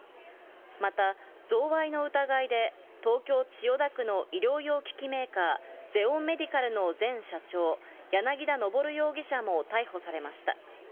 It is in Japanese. また、贈賄の疑いで、東京・千代田区の医療用機器メーカー、ゼオンメディカルの前社長、柳田昇容疑者も逮捕されました。